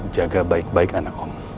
jaga baik baik anak allah